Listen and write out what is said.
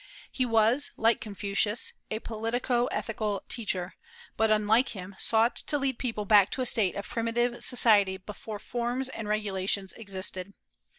He was, like Confucius, a politico ethical teacher, but unlike him sought to lead people back to a state of primitive society before forms and regulations existed.